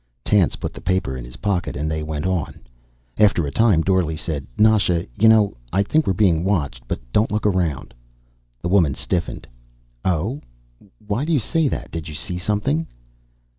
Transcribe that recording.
Tance put the paper in his pocket and they went on. After a time Dorle said, "Nasha, you know, I think we're being watched. But don't look around." The woman stiffened. "Oh? Why do you say that? Did you see something?"